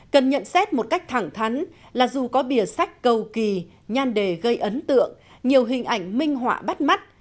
cần nhận xét một cách thẳng thắn là dù có bìa sách cầu kỳ nhan đề gây ấn tượng nhiều hình ảnh minh họa bắt mắt